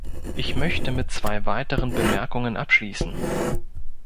Ich möchte mit zwei weiteren Bemerkungen abschließen.